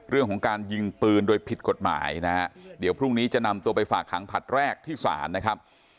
เรื่องของการยิงปืนโดยผิดกฎหมายนะฮะเดี๋ยวพรุ่งนี้จะนำตัวไปฝากขังผลัดแรกที่ศาลนะครับ